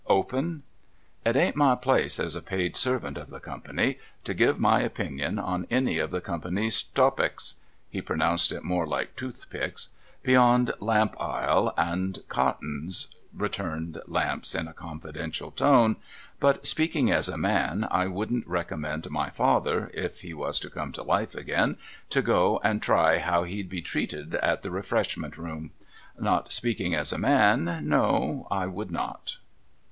' Open ?'' It ain't my place, as a paid servant of the company, to give my opinion on any of the company's toepics,' — he pronounced it more like toothpicks, —' beyond lamp ile and cottons,' returned Lamps in a confidential tone ;' but, speaking as a man, I wouldn't recom mend my father (if he was to come to life again) to go and try how he'd be treated at the Refreshment Room. Not speaking as a man, no, I would noi.'